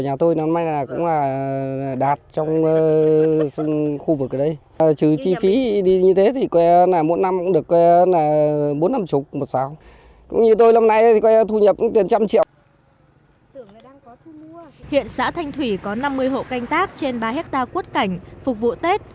hiện xã thanh thủy có năm mươi hộ canh tác trên ba hectare quất cảnh phục vụ tết